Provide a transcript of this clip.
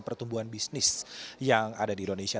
pertumbuhan bisnis yang ada di indonesia